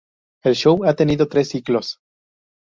El show ha tenido tres ciclos.